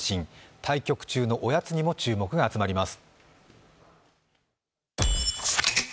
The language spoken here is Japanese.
対局中のおやつにも注目が集まります。